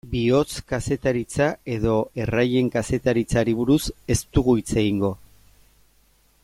Bihotz-kazetaritza edo erraien kazetaritzari buruz ez dugu hitz egingo.